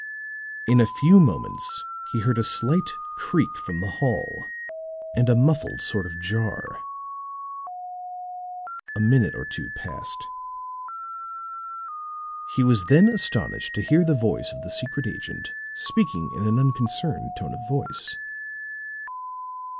In a few moments he heard a slight creak from the hall, and a muffled sort of jar. A minute or two passed; he was then astonished to hear the voice of the secret agent speaking in an unconcerned tone of voice.